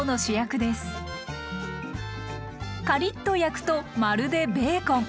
カリッと焼くとまるでべーコン。